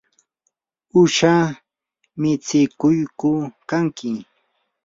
¿uusha mitsikuqku kanki?